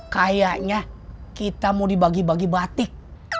kayaknya kita mau dibagi bagi batik